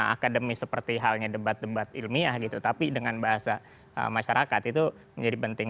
akademis seperti halnya debat debat ilmiah gitu tapi dengan bahasa masyarakat itu menjadi penting